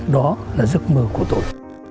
đó là giấc mơ của tôi